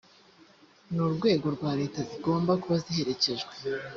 n urwego rwa leta zigomba kuba ziherekejwe